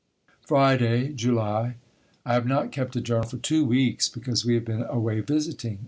Friday, July. I have not kept a journal for two weeks because we have been away visiting.